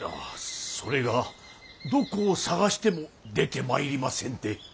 それがどこを探しても出てまいりませんで。